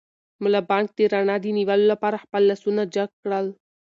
ملا بانګ د رڼا د نیولو لپاره خپل لاسونه جګ کړل.